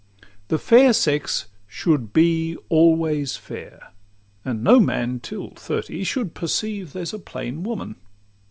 The fair sex should be always fair; and no man, Till thirty, should perceive there's a plain woman.